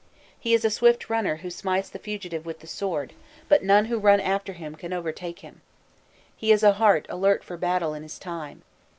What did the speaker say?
He is a swift runner who smites the fugitive with the sword, but none who run after him can overtake him. He is a heart alert for battle in his time.